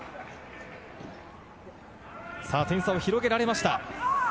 点差を広げられました。